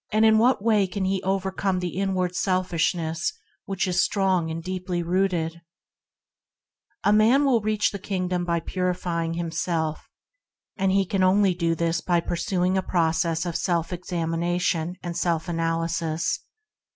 In what way can he overcome the inward selfishness which is strong, and deeply rooted ? A man will reach the Kingdom by purify ing himself; and he can do this only by pursuing a process of self examination and self analysis.